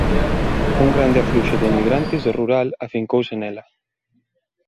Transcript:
Un grande afluxo de inmigrantes do rural afincouse nela.